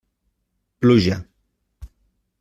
Pluja.